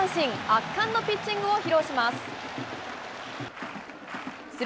圧巻のピッチングを披露します。